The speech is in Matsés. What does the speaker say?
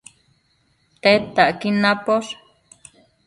Tedtacquid naposh